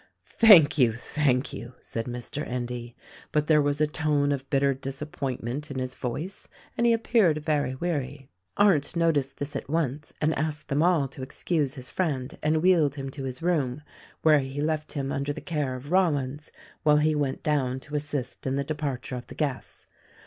"Thank you, thank you !" said Mr. Endy : but there was a tone of bitter disappointment in his voice, and he appeared very weary. Arndt noticed this at once and asked them all to excuse his friend and wheeled him to his room, where he left him THE RECORDING AXGEL 193 under the care of Rollins while he went clown to assist in the departure of the guests.